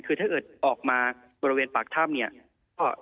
คือถ้าเอิดออกมาบริเวณปากถ้ำ